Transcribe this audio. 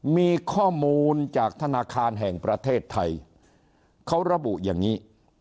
มีข้อมูลจากธนาคารแห่งประเทศไทยเขาระบุอย่างนี้